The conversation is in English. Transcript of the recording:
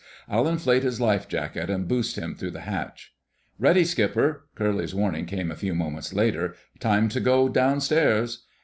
I'll inflate his lifejacket and boost him through the hatch." "Ready, Skipper," Curly's warning came a few moments later. "Time to go downstairs."